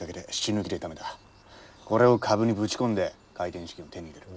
これを株にぶち込んで開店資金を手に入れる。